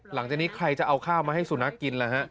หลังจากนี้ใครจะเอาข้าวมาให้สุนัขกินล่ะฮะ